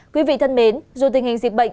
quý vị thân mến dù tình hình dịch bệnh